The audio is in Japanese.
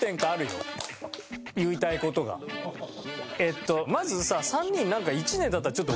えっとまずさ。